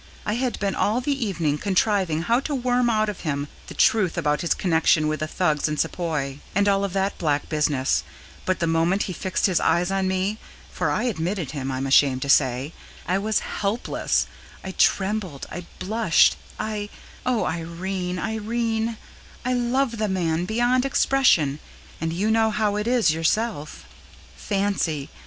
I had been all the evening contriving how to worm out of him the truth about his connection with the Thugs in Sepoy, and all of that black business, but the moment he fixed his eyes on me (for I admitted him, I'm ashamed to say) I was helpless, I trembled, I blushed, I O Irene, Irene, I love the man beyond expression, and you know how it is yourself! Fancy!